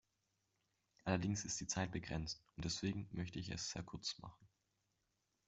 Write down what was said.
Allerdings ist die Zeit begrenzt, und deswegen möchte ich es sehr kurz machen.